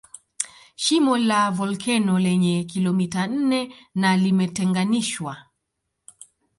Shimo la volkeno lenye kilomita nne na limetenganishwa